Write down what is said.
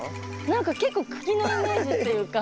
何か結構茎のイメージっていうか。